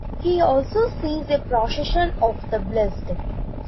He also sees a procession of the blessed.